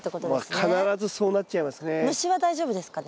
必ずそうなっちゃいますね。